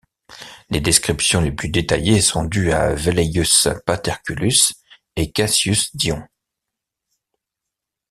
Les descriptions les plus détaillées sont dues à Velleius Paterculus et Cassius Dion.